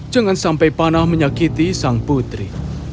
jangan sampai panah menyakiti sang putri